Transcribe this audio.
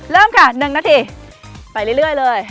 เริ่มค่ะ๑นาทีไปเรื่อยเลย